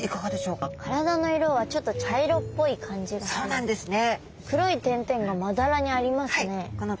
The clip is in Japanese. そうなんですね。